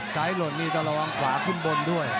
ซ้ายหล่นนี่จะระวังขวาขึ้นบนด้วย